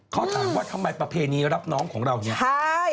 ขอถามว่าทำไมประเพณีรับน้องของเราอย่างนี้